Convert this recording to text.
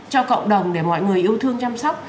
cho cộng đồng để mọi người yêu thương chăm sóc